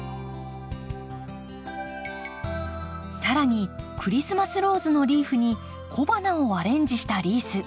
更にクリスマスローズのリーフに小花をアレンジしたリース。